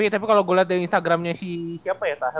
tapi kalo gua liat di instagramnya si siapa ya